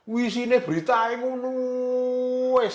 wisi ini berita yang unuh